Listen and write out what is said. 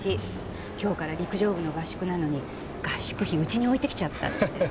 今日から陸上部の合宿なのに合宿費うちに置いてきちゃったって。